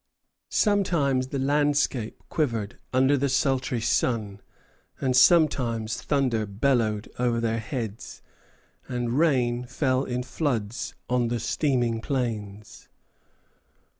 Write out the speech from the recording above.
Sometimes the landscape quivered under the sultry sun, and sometimes thunder bellowed over their heads, and rain fell in floods on the steaming plains.